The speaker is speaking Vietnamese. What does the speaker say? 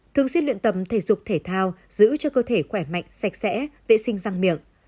thường xuyên luyện tập thể dục thể thao giữ cho cơ thể khỏe mạnh sạch sẽ vệ sinh răng miệng